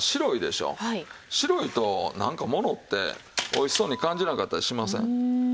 白いとなんかものっておいしそうに感じなかったりしません？